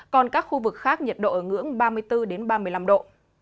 còn các khu vực khác nhiệt độ ở ngưỡng ba mươi bốn ba mươi năm độ